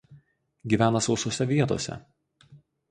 Gyvena sausose vietose.